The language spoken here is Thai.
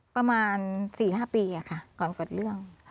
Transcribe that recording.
ประมาณ๔๕ปีค่ะก่อนเกิดเรื่อง